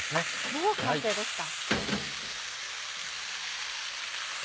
もう完成ですか。